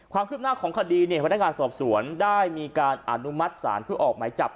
ความคลิบหน้าของคดีเนี่ยเวทยาการสอบสวนได้มีการอนุมัติสารผู้ออกมัยจับ